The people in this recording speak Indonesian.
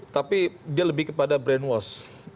tapi dia lebih kepada brainwash